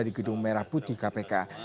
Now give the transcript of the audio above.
di gedung merah putih kpk